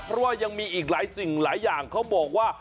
เพราะว่ายังมีอีกหลายสิ่งหลายอย่างเขาบอกว่า